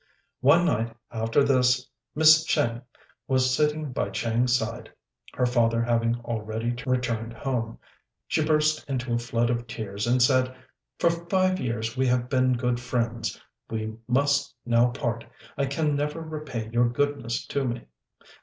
One night after this, as Miss Tsêng was sitting by Chang's side, her father having already returned home, she burst into a flood of tears, and said, "For five years we have been good friends; we must now part. I can never repay your goodness to me."